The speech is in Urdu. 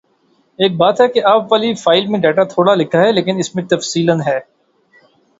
ایک بات ہے کہ آپ والی فائل میں ڈیٹا تھوڑا لکھا ہے لیکن اس میں تفصیلاً ہے